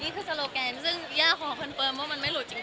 นี่คือโซโลแกรมซึ่งแย่ขอคอนเฟิร์มว่ามันไม่หลุดจริงค่ะ